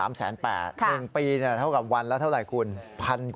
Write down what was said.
๑ปีเนี่ยเท่ากับวันแล้วเท่าไรคุณ